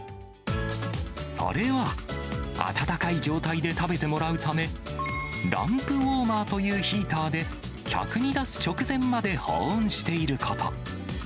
それは、温かい状態で食べてもらうため、ランプウォーマーというヒーターで、客に出す直前まで保温していること。